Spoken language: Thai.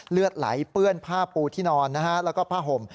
เลือดไหลเปื้อนผ้าปูที่นอนนะฮะแล้วก็ผ้าห่ม